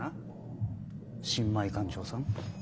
新米艦長さん。